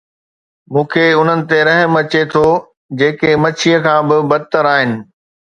مون کي انهن تي رحم اچي ٿو، جيڪي مڇيءَ کان به بدتر آهن